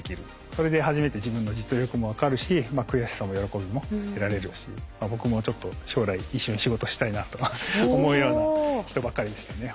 それで初めて自分の実力も分かるし悔しさも喜びも得られるし僕もちょっと将来一緒に仕事したいなと思うような人ばっかりでしたね。